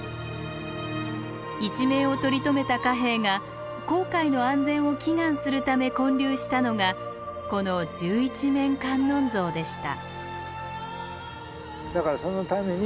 一命を取り留めた嘉兵衛が航海の安全を祈願するため建立したのがこの十一面観音像でした。